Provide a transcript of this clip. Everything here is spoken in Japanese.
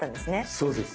そうです。